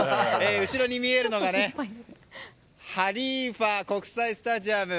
後ろに見えるのがハリーファ国際スタジアム。